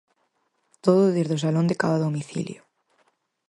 Todo desde o salón de cada domicilio.